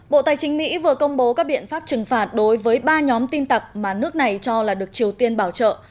bộ tài chính mỹ vừa công bố các biện pháp trừng phạt đối với ba nhóm tin tặc mà nước này cho là được triều tiên bảo trợ